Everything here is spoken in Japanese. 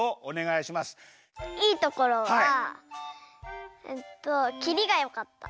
いいところはきりがよかった。